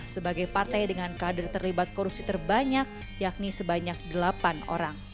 sebagai partai dengan kader terlibat korupsi terbanyak yakni sebanyak delapan orang